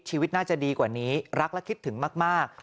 ชีวิตน่าจะดีกว่านี้รักและคิดถึงมาก